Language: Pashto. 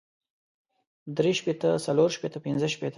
درې شپېته څلور شپېته پنځۀ شپېته